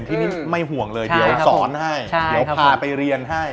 ทีนี้ไม่ห่วงเลยเดี๋ยวสอนให้เดี๋ยวพาไปเรียนให้